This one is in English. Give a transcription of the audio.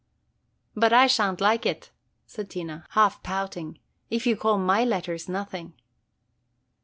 "But I sha' n't like it," said Tina, half pouting, "if you call my letters nothing."